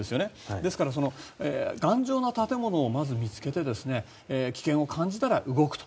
ですから、頑丈な建物をまず見つけて危険を感じたら動くと。